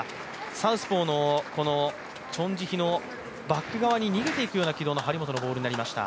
サウスポーのチョン・ジヒのバック側に逃げていくような機動の張本のボールになりました。